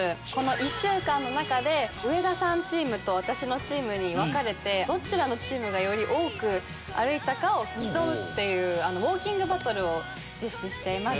１週間の中で上田さんチームと私のチームに分かれてどちらのチームがより多く歩いたかを競うというウォーキングバトルを実施しています。